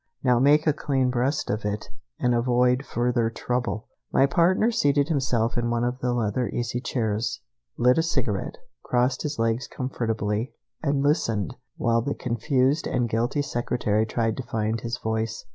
Now make a clean breast of it, and avoid further trouble." My partner seated himself in one of the leather easy chairs, lit a cigarette, crossed his legs comfortably, and listened while the confused and guilty secretary tried to find his voice.